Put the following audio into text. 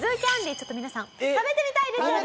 ちょっと皆さん食べてみたいですよね？